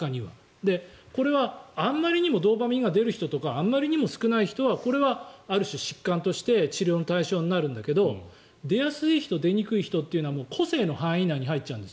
これはあまりにもドーパミンが出る人とかあまりにも少ない人はこれはある種、疾患として治療の対象になるんだけど出やすい人、出にくい人は個性の範囲内になっちゃうんです。